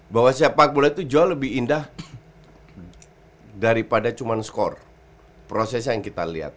bahwa sepak bola itu jauh lebih indah daripada cuman skor proses yang kita liat